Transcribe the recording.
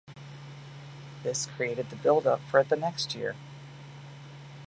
This created the build-up for the next year.